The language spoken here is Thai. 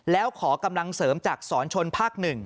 แล้วขอกำลังเสริมจากสอนชนภาค๑